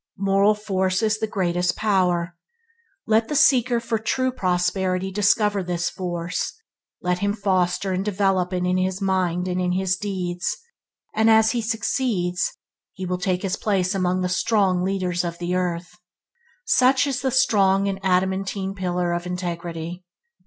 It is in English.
Moral force is the greatest power. Let the seeker for a true prosperity discover this force, let him foster and develop it in his mind and in his deeds, and as he succeeds he will take his place among the strong leaders of the earth. Such is the strong and adamantine Pillar of integrity.